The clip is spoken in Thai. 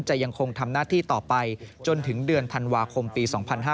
ยังคงทำหน้าที่ต่อไปจนถึงเดือนธันวาคมปี๒๕๕๙